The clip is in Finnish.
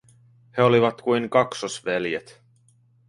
He olivat kuin kaksosveljet.